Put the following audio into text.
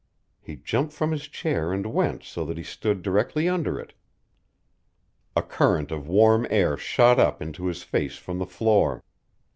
He jumped from his chair and went so that he stood directly under it. A current of warm air shot up into his face from the floor.